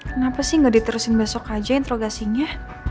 kenapa sih nggak diterusin besok aja interogasinya